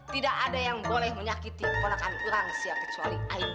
tidak ada yang boleh menyakiti keponakan orang sih ya kecuali saya